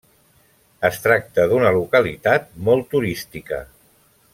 Es tracta d'una localitat molt turística.